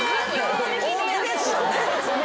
多めですよね。